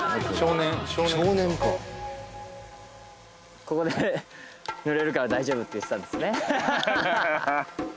少年少年かここで濡れるから大丈夫って言ってたんですね